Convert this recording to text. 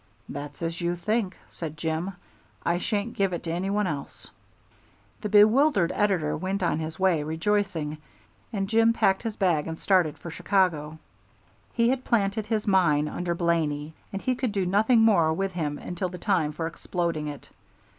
"That's as you think," said Jim. "I shan't give it to any one else." The bewildered editor went on his way rejoicing, and Jim packed his bag and started for Chicago. He had planted his mine under Blaney and he could do nothing more with him until the time for exploding it.